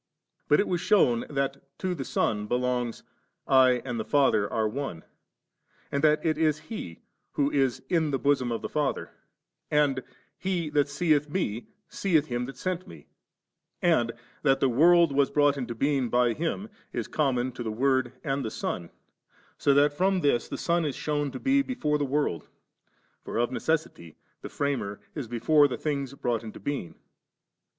But it was shewn that to the Son belongs, *I and the Father are One,* and that it is He *Who is in the bosom of the Father,' and, * He that seeth Me, seeth Him that sent Me 3;' and that *the world was brought into being by Him,' is conmion to the Word and the Son ; so that from this the Son is shewn 10 be before the world ; for of necessity the Framer is before the things brought into being.